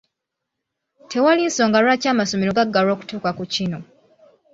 Tewali nsonga lwaki amasomero gaggalwa okutuuka ku kino.